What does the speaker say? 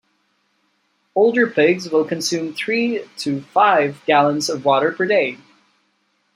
Older pigs will consume three to five gallons of water per day.